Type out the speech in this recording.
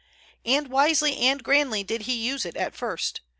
And wisely and grandly did he use it at first.